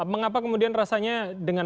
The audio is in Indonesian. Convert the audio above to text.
mengapa kemudian rasanya dengan